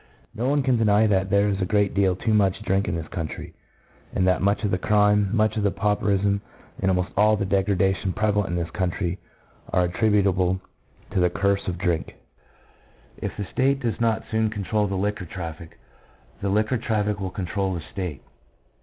... No one can deny that there is a great deal too much drink in this country; and that much of the crime, much of the pauperism, and almost all the degradation prevalent in this country are attributable to the curse of drink. ... If the state does not soon control the liquor traffic, the liquor traffic will control the state."